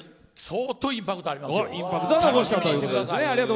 相当インパクトありますよ。